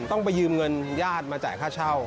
ต้องไปยืมเงินญาติมาจ่ายค่าเช่า